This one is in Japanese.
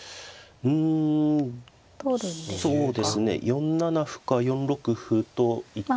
４七歩か４六歩と一回。